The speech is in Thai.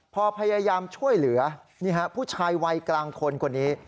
พอพยายามช่วยเหลือผู้ชายวัยกลางคนคนนี้